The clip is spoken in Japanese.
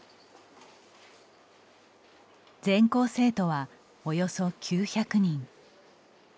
全校生徒は、およそ９００人。